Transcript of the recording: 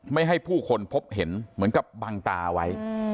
ไม่ให้ผู้คนพบเห็นเหมือนกับบังตาเอาไว้